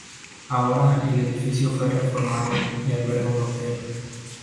Ahora el edificio fue reformado y alberga un hotel.